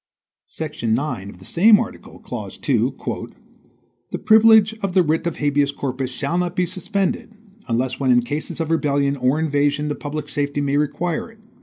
Section 9, of the same article, clause 2 "The privilege of the writ of habeas corpus shall not be suspended, unless when in cases of rebellion or invasion the public safety may require it."